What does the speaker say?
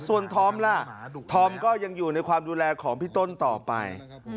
ส่วนธอมล่ะธอมก็ยังอยู่ในความดูแลของพี่ต้นต่อไป